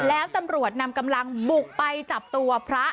แล้วตำรวจนำกำลังบุกไปจับตัวพระ